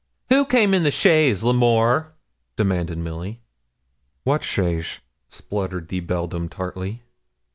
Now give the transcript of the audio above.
'Who came in the chaise, L'Amour?' demanded Milly. 'What chaise?' spluttered the beldame tartly.